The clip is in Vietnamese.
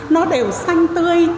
nó đều xanh tươi